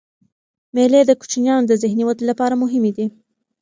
مېلې د کوچنيانو د ذهني ودي له پاره مهمي دي.